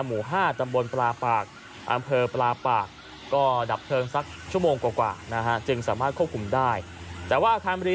หมู่ห้าตำบลปลาปากอำเภอปลาปากก็ดับเพลิงสักชั่วโมงกว่านะฮะ